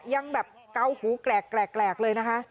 ยังแบบเกาหูแกลกเลยนะคะ